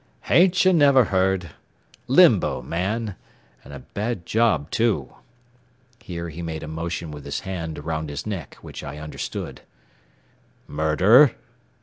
"Ain't ye never heard? Limbo, man, and a bad job, too." Here he made a motion with his hand around his neck which I understood. "Murder?"